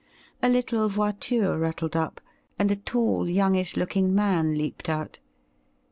A little voiture rattled up, and a tall, youngish looking man leaped out.